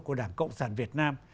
của đảng cộng sản việt nam